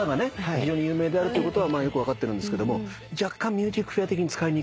非常に有名であるということはよく分かってるんですけども若干『ＭＵＳＩＣＦＡＩＲ』的に使いにくい。